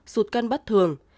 bảy xuất cân bất thường